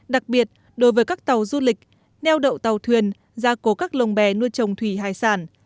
đặc biệt đối với các tàu du lịch neo đậu tàu thuyền gia cố các lồng bè nuôi trồng thủy hải sản